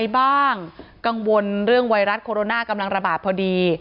บ้างกังวลเรื่องไวรัสโคโรนากำลังระบาดพอดี